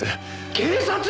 警察！？